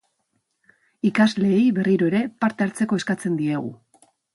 Ikasleei, berriro ere, parte hartzeko eskatzen diegu.